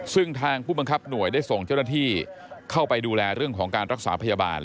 ซึ่งทางผู้บังคับหน่วยได้ส่งเจ้าหน้าที่เข้าไปดูแลเรื่องของการรักษาพยาบาล